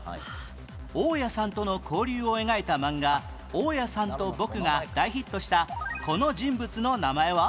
大家さんとの交流を描いた漫画『大家さんと僕』が大ヒットしたこの人物の名前は？